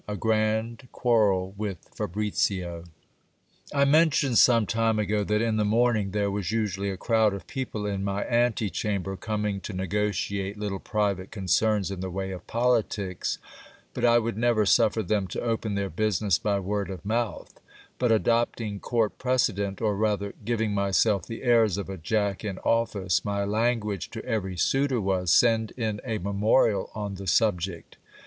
A grand quarrel with Fabricio. I mentioned some time ago, that in the morning there was usually a crowd of people in my ante chamber, coming to negotiate little private concerns in the way of politics ; but I would never suffer them to open their business by word of mouth ; but adopting court precedent, or rather giving myself the airs of a jack in office, my language to every suitor was — Send in a memorial on the subject.